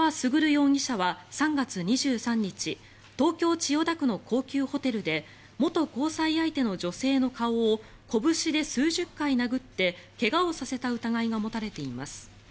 容疑者は３月２３日東京・千代田区の高級ホテルで元交際相手の女性の顔をこぶしで数十回殴って怪我をさせた疑いが持たれています。